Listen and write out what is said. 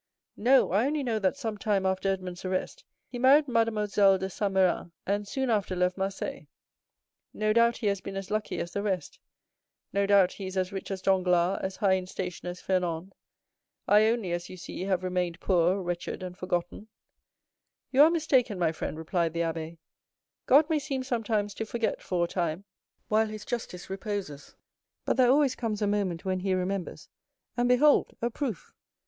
"No; I only know that some time after Edmond's arrest, he married Mademoiselle de Saint Méran, and soon after left Marseilles; no doubt he has been as lucky as the rest; no doubt he is as rich as Danglars, as high in station as Fernand. I only, as you see, have remained poor, wretched, and forgotten." "You are mistaken, my friend," replied the abbé; "God may seem sometimes to forget for a time, while his justice reposes, but there always comes a moment when he remembers—and behold—a proof!"